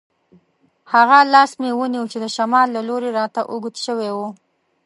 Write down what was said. هغه لاس مې ونیو چې د شمال له لوري راته اوږد شوی وو.